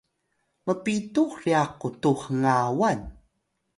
mpitu ryax qutux hngawan